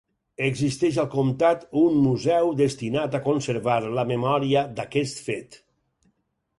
Existeix al comtat un museu destinat a conservar la memòria d'aquest fet.